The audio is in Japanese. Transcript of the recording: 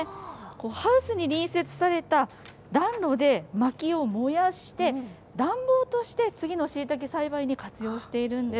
ハウスに隣接された暖炉でまきを燃やして、暖房として次のしいたけ栽培に活用しているんです。